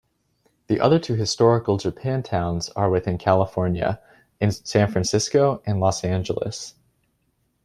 The other two historical Japantowns are within California, in San Francisco and Los Angeles.